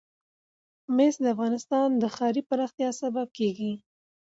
مس د افغانستان د ښاري پراختیا سبب کېږي.